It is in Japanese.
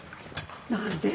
何で？